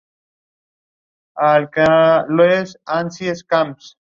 Sin embargo, quedaron satisfechos cuando se grabó una versión nueva del tema.